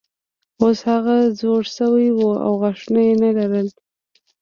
اوس هغه زوړ شوی و او غاښونه یې نه لرل.